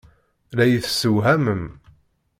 La iyi-tessewhamem.